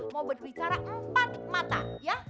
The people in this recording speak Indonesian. mau berbicara empat mata ya